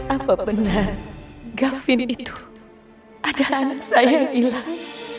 apa benar gavin itu adalah anak saya yang hilang